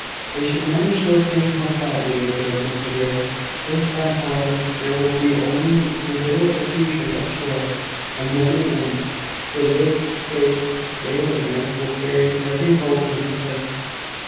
"They should manage those things more quietly," observed Mr Grey. "This time, however, there will be only a little effusion of joy, and then an end; for they say Ballinger will carry every vote in the place."